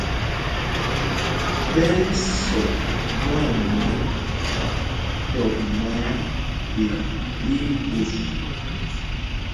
Ɓɛ́ ɛ́ sɔ mwaanyûl tɔp náǎ, ɓemb í í ɓus.